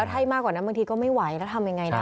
ถ้ามากกว่านั้นบางทีก็ไม่ไหวแล้วทำยังไงนะ